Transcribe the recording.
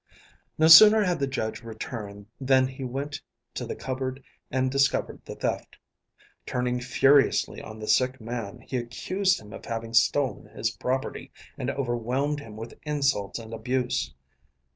No sooner had the judge returned than he went to the cupboard and discovered the theft. Turning furiously on the sick man, he accused him of having stolen his property and overwhelmed him with insults and abuse.